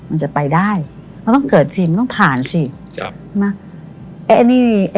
มันจะไปได้เราต้องเกิดสิมันต้องผ่านสิใช่ไหม